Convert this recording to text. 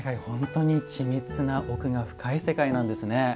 本当に緻密な奥が深い世界なんですね。